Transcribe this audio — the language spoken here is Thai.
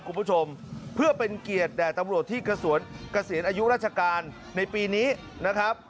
คุณผู้ชมเพื่อเป็นเกียรติแด่ตำรวจที่เกษียณอายุราชการในปีนี้นะครับ